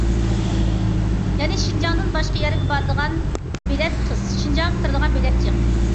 يەنى، شىنجاڭدىن باشقا يەرگە بارىدىغان بېلەت قىس، شىنجاڭغا كىرىدىغان بېلەت جىق.